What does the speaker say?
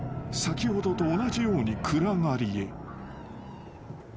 ［先ほどと同じように暗がりへ］